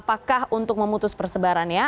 apakah untuk memutus persebaran ya